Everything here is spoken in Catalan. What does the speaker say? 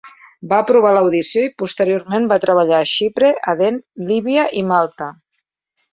Va aprovar l'audició i posteriorment va treballar a Xipre, Aden, Líbia i Malta.